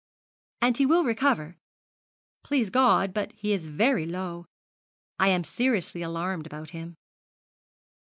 'And he will recover?' 'Please God; but he is very low. I am seriously alarmed about him.'